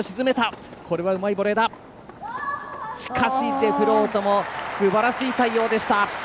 デフロートもすばらしい対応でした。